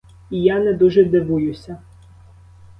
І я не дуже дивуюся.